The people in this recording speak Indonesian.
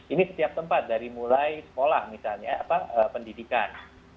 ini setiap tempat dari mulai sekolah misalnya pendidikan